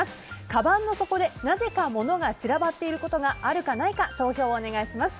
かばんの底でなぜか物が散らばっていることがあるかないか投票をお願いします。